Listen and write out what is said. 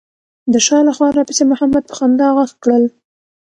د شا له خوا راپسې محمد په خندا غږ کړل.